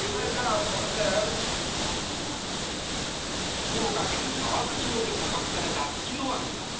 静岡県河津町で捕獲されたツキノワグマ。